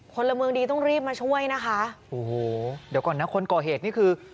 คนละเมืองดีต้องรีบมาช่วยนะคะโอ้โหเดี๋ยวก่อนนะคนก่อเหตุนี่คือ